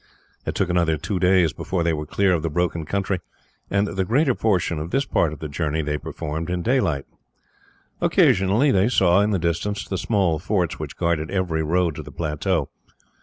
It took another two days before they were clear of the broken country, and the greater portion of this part of the journey they performed in daylight. Occasionally they saw, in the distance, the small forts which guarded every road to the plateau.